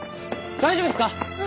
大丈夫ですか？